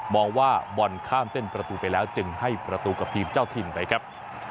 ว่าบอลข้ามเส้นประตูไปแล้วจึงให้ประตูกับทีมเจ้าถิ่นไปครับ